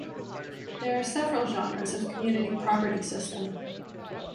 There are several genres of community property system.